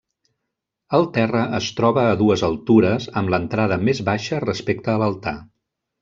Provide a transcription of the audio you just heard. El terra es troba a dues altures amb l'entrada més baixa respecte a l'altar.